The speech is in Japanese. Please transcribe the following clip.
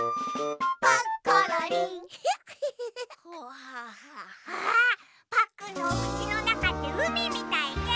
わあパックンのおくちのなかってうみみたいね。